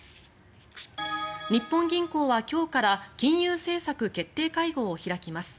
日本銀行は今日から金融政策決定会合を開きます。